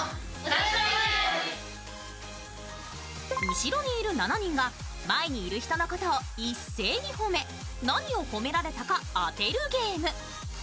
後ろにいる７人が前にいる人のことを一斉に褒め何を褒められたか当てるゲーム。